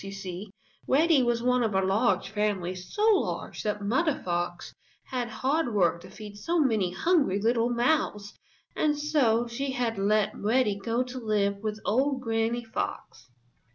You see, Reddy was one of a large family, so large that Mother Fox had hard work to feed so many hungry little mouths and so she had let Reddy go to live with old Granny Fox.